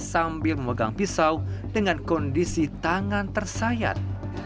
sambil memegang pisau dengan kondisi tangan tersayat